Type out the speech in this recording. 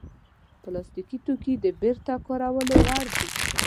پلاستيکي توکي د بېرته کارولو وړ دي.